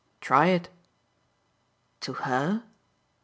"Try it." "To HER?"